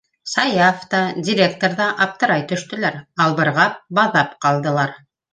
Саяф та, директор ҙа аптырай төштөләр, албырғап, баҙап ҡалдылар.